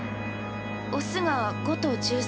「オス」が５と１３。